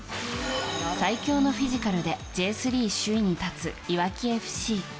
最強のフィジカルでＪ３首位に立つ、いわきＦＣ。